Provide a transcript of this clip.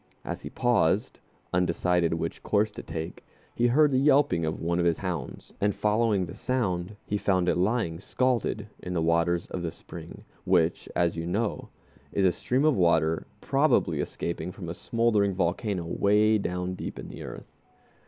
As he paused, undecided which course to take, he heard the yelping of one of his hounds, and following the sound, he found it lying scalded in the waters of the spring, which, as you know, is a stream of water probably escaping from a smoldering volcano way down deep in the earth.